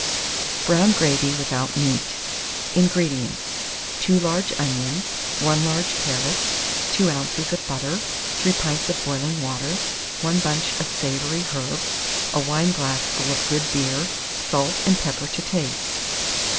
BROWN GRAVY WITHOUT MEAT. 437. INGREDIENTS. 2 large onions, 1 large carrot, 2 oz. of butter, 3 pints of boiling water, 1 bunch of savoury herbs, a wineglassful of good beer; salt and pepper to taste.